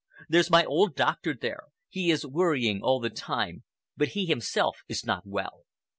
There's my old doctor there. He is worrying all the time, but he himself is not well.